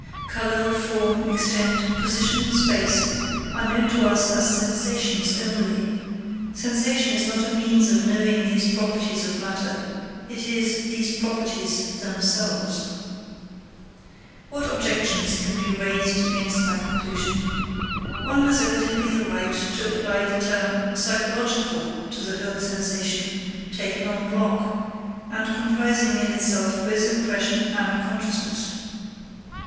Colour, form, extent, position in space, are known to us as sensations only. Sensation is not a means of knowing these properties of matter, it is these properties themselves. What objections can be raised against my conclusion? One has evidently the right to apply the term psychological to the whole sensation, taken en bloc, and comprising in itself both impression and consciousness.